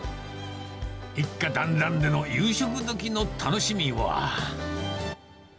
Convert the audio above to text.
一家団らんでの夕食どきの楽しみは。